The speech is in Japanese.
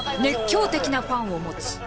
熱狂的なファンを持つ